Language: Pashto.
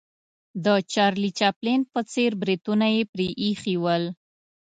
د چارلي چاپلین په څېر بریتونه یې پرې ایښې ول.